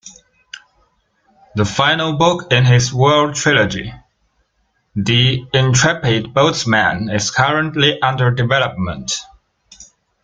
The final book in his "World Trilogy," "The Intrepid Boatsman," is currently under development.